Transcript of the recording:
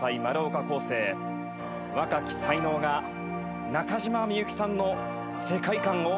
若き才能が中島みゆきさんの世界観を表現します。